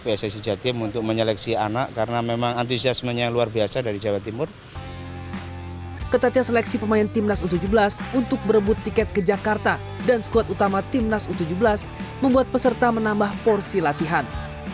ketatnya seleksi pemain timnas u tujuh belas untuk berebut tiket ke jakarta dan skuad utama timnas u tujuh belas membuat peserta menambah porsi latihan